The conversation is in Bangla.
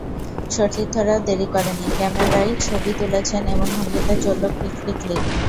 সতীর্থরাও দেরি করেনি, ক্যামেরায় ছবি তুলছেন এমন ভঙ্গিতে চলল ক্লিক ক্লিক ক্লিক।